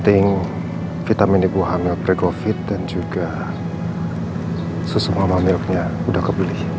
di video selanjutnya